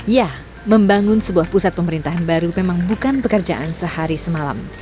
ya membangun sebuah pusat pemerintahan baru memang bukan pekerjaan sehari semalam